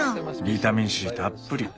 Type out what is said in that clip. ビタミンＣたっぷり。